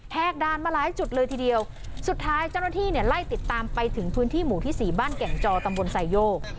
กด่านมาหลายจุดเลยทีเดียวสุดท้ายเจ้าหน้าที่เนี่ยไล่ติดตามไปถึงพื้นที่หมู่ที่สี่บ้านแก่งจอตำบลไซโยก